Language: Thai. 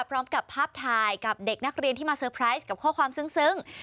พร้อมกับภาพถ่ายกับเด็กนักเรียนที่มาเซอร์ไพรส์กับข้อความซึ้ง